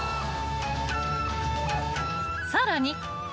［さらに］